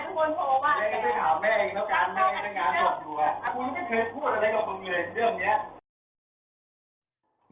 กูไม่เคยพูดอะไรกับคุณเลยเรื่องเนี้ย